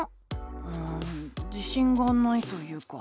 うん自しんがないというか。